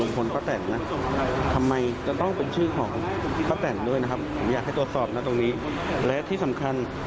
ลงคลพระแต่นนะทำไมต้องเป็นของและที่สำคัญ